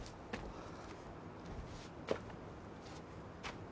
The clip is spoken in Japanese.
ああ。